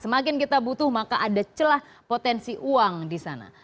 semakin kita butuh maka ada celah potensi uang di sana